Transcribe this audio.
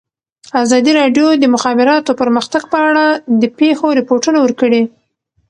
ازادي راډیو د د مخابراتو پرمختګ په اړه د پېښو رپوټونه ورکړي.